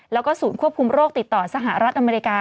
แล้วก็ศูนย์ควบคุมโรคติดต่อสหรัฐอเมริกา